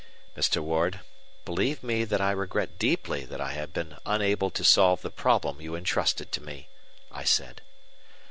"Mr. Ward, believe me that I regret deeply that I have been unable to solve the problem you entrusted to me," I said.